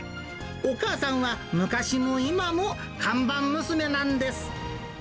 お母さんは、昔も今も看板娘なんです。